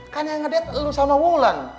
kan yang ngedate lu sama mulan